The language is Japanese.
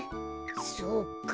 そうか。